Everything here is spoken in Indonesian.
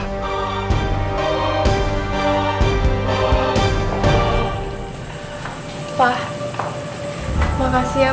socida juga tau